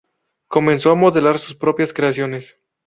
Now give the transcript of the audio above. Comenzó a modelar sus propias creaciones.